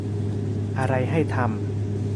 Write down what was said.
อะไรให้ทำ